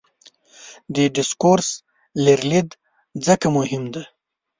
د ډسکورس لرلید ځکه مهم دی.